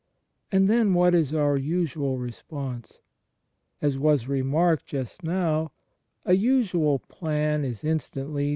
And then what is our usual response? As was remarked just now, a usual plan is instantly ^ Ps.